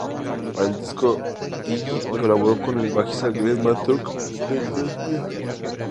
Para el disco, Iggy colaboró con el bajista Glen Matlock, ex Sex Pistols.